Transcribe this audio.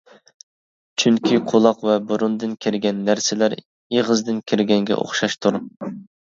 چۈنكى قۇلاق ۋە بۇرۇندىن كىرگەن نەرسىلەر ئېغىزدىن كىرگەنگە ئوخشاشتۇر.